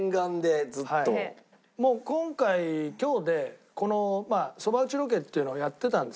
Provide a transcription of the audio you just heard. もう今回今日でそば打ちロケっていうのをやってたんですけど。